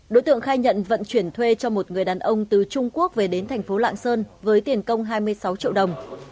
đối tượng khai nhận vận chuyển thuê cho một người đàn ông từ trung quốc về đến thành phố lạng sơn với tiền công hai mươi sáu triệu đồng